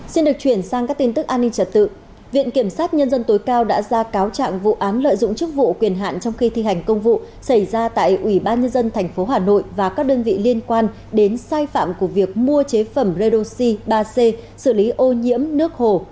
xin được chuyển sang các tin tức an ninh trật tự viện kiểm sát nhân dân tối cao đã ra cáo trạng vụ án lợi dụng chức vụ quyền hạn trong khi thi hành công vụ xảy ra tại ủy ban nhân dân tp hà nội và các đơn vị liên quan đến sai phạm của việc mua chế phẩm redoxi ba c xử lý ô nhiễm nước hồ